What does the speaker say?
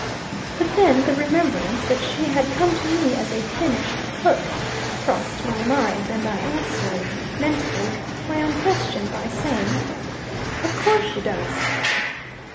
But then, the remembrance that she had come to me as a finished cook, crossed my mind, and I answered, mentally, my own question, by saying: "Of course she does."